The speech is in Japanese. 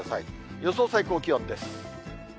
予想最高気温です。